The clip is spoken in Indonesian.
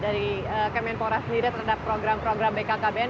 dari kemenpora sendiri terhadap program program bkkbn